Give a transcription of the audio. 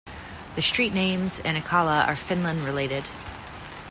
The street names in Akalla are Finland related.